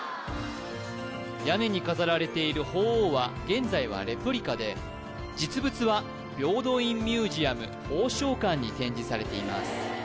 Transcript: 屋根に飾られている鳳凰は現在はレプリカで実物は平等院ミュージアム鳳翔館に展示されています